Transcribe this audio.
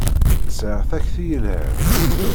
Sɛiɣ takti yelhan.